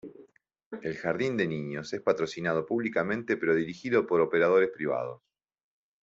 El jardín de niños es patrocinado públicamente pero dirigido por operadores privados.